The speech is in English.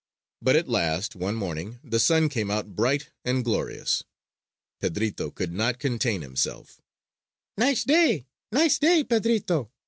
But at last one morning the sun came out bright and glorious. Pedrito could not contain himself: "Nice day, nice day, Pedrito!"